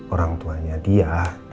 orang tuanya dia